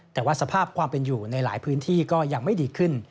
แต่ว่าสภาพความเป็นอยู่ในหลายพื้นที่ก็ยังไม่ดีขึ้น